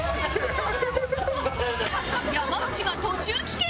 山内が途中棄権！？